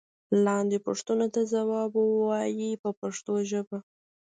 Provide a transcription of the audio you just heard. لاندې پوښتنو ته ځواب و وایئ په پښتو ژبه.